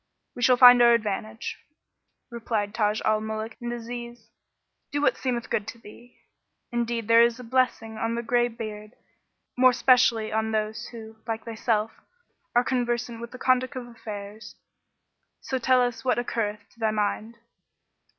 we shall find our advantage." Replied Taj al Muluk and Aziz, "Do what seemeth good to thee, indeed there is a blessing on the grey beard; more specially on those who, like thyself, are conversant with the conduct of affairs: so tell us what occurreth to thy mind."